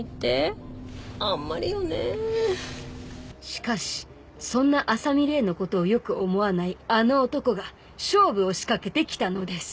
しかしそんな麻実麗のことをよく思わないあの男が勝負を仕掛けてきたのです。